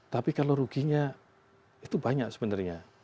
tapi kalau ruginya itu banyak sebenarnya